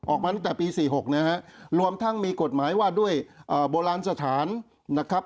ออกมาตั้งแต่ปี๔๖นะฮะรวมทั้งมีกฎหมายว่าด้วยโบราณสถานนะครับ